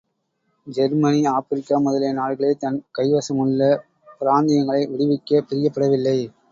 Germany, Africa முதலிய நாடுகளில் தன் கைவசமுள்ள பிராந்தியங்களை விடுவிக்கப் பிரியப்படவில்லை.